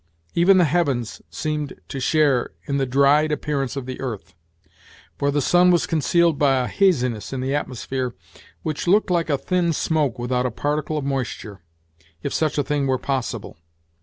Even the heavens seemed to share in the dried appearance of the earth, for the sun was concealed by a haziness in the atmosphere, which looked like a thin smoke without a particle of moisture, if such a thing were possible.